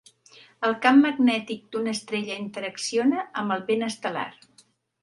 El camp magnètic d'una estrella interacciona amb el vent estel·lar.